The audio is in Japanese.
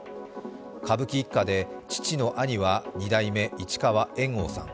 歌舞伎一家で父の兄は二代目・市川猿翁さん。